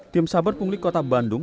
tim saber pungli kota bandung